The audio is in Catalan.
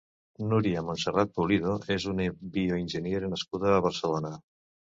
Núria Montserrat Pulido és una bioenginyera nascuda a Barcelona.